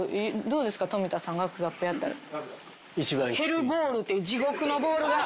ヘルボールっていう地獄のボールが。